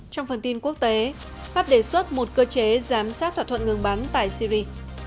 trong phần tin quốc tế pháp đề xuất một cơ chế giám sát thỏa thuận ngừng bắn tại syri